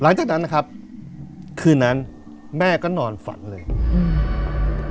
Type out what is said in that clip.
หลังจากนั้นนะครับคืนนั้นแม่ก็นอนฝันเลยอืม